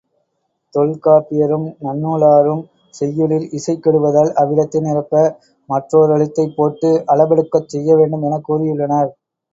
தொல்காப்பியரும் நன்னூலாரும், செய்யுளில் இசை கெடுவதால் அவ்விடத்தை நிரப்ப மற்றோரெழுத்தைப் போட்டு அளபெடுக்கச் செய்யவேண்டும் எனக் கூறியுள்ளனர்.